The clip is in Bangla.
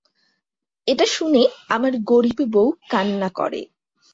এটা শুনে আমার গরীব বউ কান্না করে।